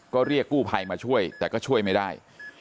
ก็เรียกกู้ภัยมาช่วยแต่ก็ช่วยไม่ได้